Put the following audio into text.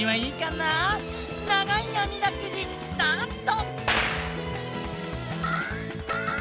ながいあみだくじスタート！